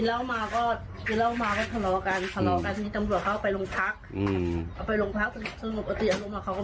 กิเเลาะมาก็ทะเลาะกันทะเลาะกันทีนี้ตำส่วนครับ